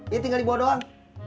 ini tinggal dibawa doang